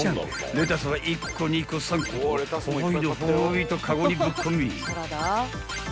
［レタスは１個２個３個とほほいのほいとカゴにぶっ込み］